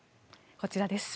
こちらです。